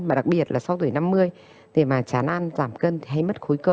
và đặc biệt là sau tuổi năm mươi để mà chán ăn giảm cân hay mất khối cơ